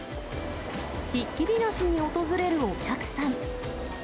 ひっきりなしに訪れるお客さん。